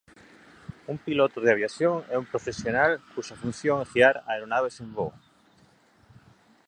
Un piloto de aviación é un profesional cuxa función é guiar aeronaves en vo.